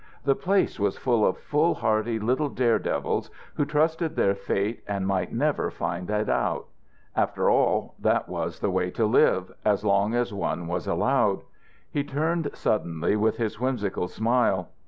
The place was full of foolhardy little dare devils who trusted their fate and might never find it out. After all, that was the way to live as long as one was allowed. He turned suddenly with his whimsical smile.